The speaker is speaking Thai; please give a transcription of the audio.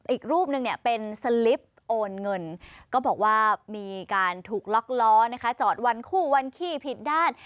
อีกรูปหนึ่งเนี่ยเป็นสลิปโอนเงินก็บอกว่ามีการถูกล็อกล้อนะคะจอดวันคู่วันขี้ผิดด้าน